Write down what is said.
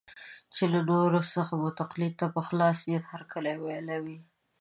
چې له نورو څخه مو تقلید ته په خلاص نیت هرکلی ویلی وي.